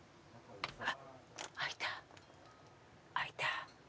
あっ開いた開いた。